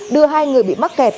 đưa hai người bị mắc kẹt